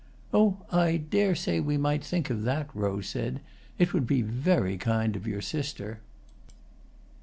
"Oh, I dare say we might think of that," Rose said. "It would be very kind of your sister."